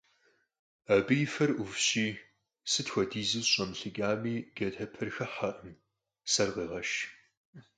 Абы и фэр Ӏувщи, сыт хуэдизу зэщӀэмылъыкӀами, джатэпэр хыхьэркъым, сэр къегъэш.